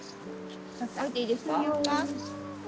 ・降りていいですか？